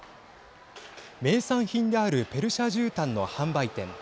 名産品であるペルシャじゅうたんの販売店。